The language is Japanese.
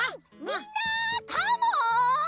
みんなカモン！